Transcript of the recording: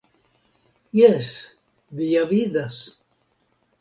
Jes, vi ja vidas .